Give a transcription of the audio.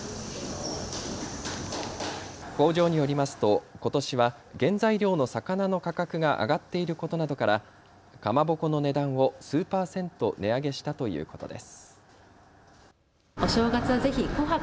工場によりますとことしは原材料の魚の価格が上がっていることなどからかまぼこの値段を数パーセント値上げしたということです。